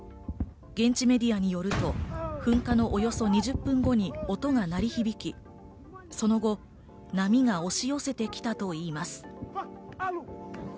現地メディアによると、噴火のおよそ２０分後に音が鳴り響き、その後、波が押し寄せてきたといいます。